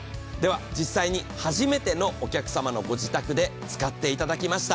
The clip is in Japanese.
実際に初めてのお客様のご自宅で使っていただきました。